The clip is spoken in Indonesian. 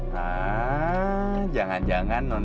haa jangan jangan non